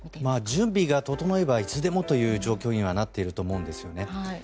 準備が整えばいつでもという状況にはなっていると思うんですよね。